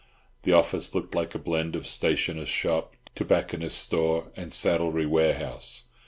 The office looked like a blend of stationer's shop, tobacconist's store, and saddlery warehouse.